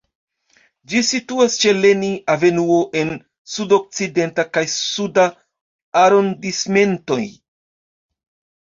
Ĝi situas ĉe Lenin-avenuo en Sud-Okcidenta kaj Suda arondismentoj.